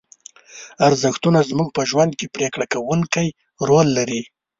ارزښتونه زموږ په ژوند کې پرېکړه کوونکی رول لري.